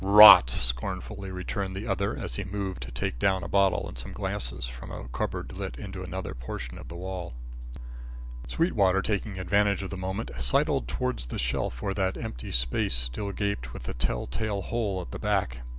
"Rot," scornfully returned the other, as he moved to take down a bottle and some glasses from a cupboard let into another portion of the wall. Sweetwater taking advantage of the moment, sidled towards the shelf where that empty space still gaped with the tell tale hole at the back.